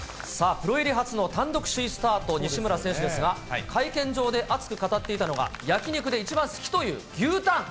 プロ入り初の単独首位スタート、西村選手ですが、会見場で熱く語っていたのが、焼き肉で一番好きという牛タン。